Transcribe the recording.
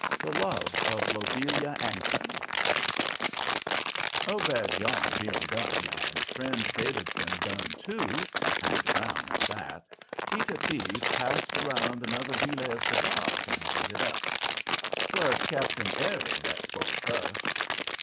THE LOVE OF LOBELIA 'ANKINS Obed's yarn being done, and friend Davidson done too, and brown at that, Peter T. passed around another relay of cigars and we lit up. 'Twas Cap'n Eri that spoke first.